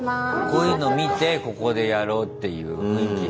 こういうの見てここでやろうっていう雰囲気が。